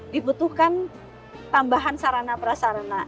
dibutuhkan tambahan sarana prasarana